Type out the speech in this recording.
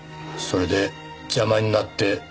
それで邪魔になって。